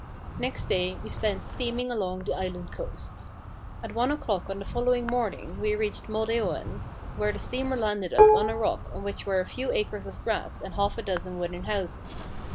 Next day we spent steaming along the island coast. At one o'clock on the following morning we reached Moldeoen, where the steamer landed us on a rock on which were a few acres of grass and half a dozen wooden houses.